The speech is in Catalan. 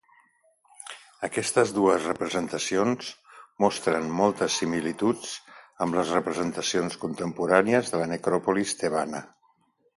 Aquestes dues representacions mostren moltes similituds amb les representacions contemporànies de la necròpolis tebana.